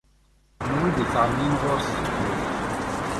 N wid yettɛennin ɣur-s seg wul.